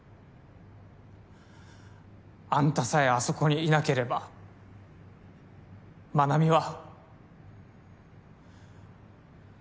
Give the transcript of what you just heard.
あんたさえあそこにいなければ真奈美は。